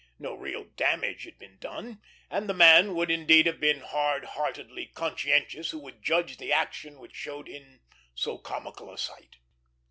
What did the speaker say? No real damage had been done, and the man would indeed have been hard heartedly conscientious who would grudge the action which showed him so comical a sight.